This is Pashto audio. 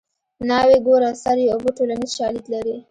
ناوې ګوره سر یې اوبه ټولنیز شالید لري